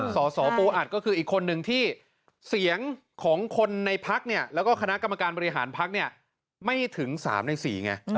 สสปูอัดก็คืออีกคนนึงที่เสียงของคนในพักเนี่ยแล้วก็คณะกรรมการบริหารพักเนี่ยไม่ถึง๓ใน๔ไง